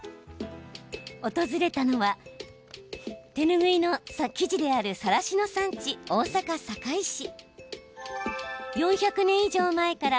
訪れたのは手ぬぐいの生地であるさらしの産地、大阪・堺市。